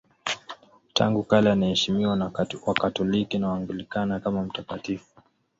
Tangu kale anaheshimiwa na Wakatoliki na Waanglikana kama mtakatifu.